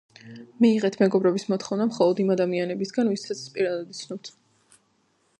მიიღეთ მეგობრების მოთხოვნა მხოლოდ, იმ ადამიანებისგან, ვისაც პირადად იცნობთ.